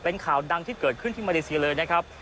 เป็นข่าวดังที่เกิดขึ้นที่มาเลเซียเลยนะครับ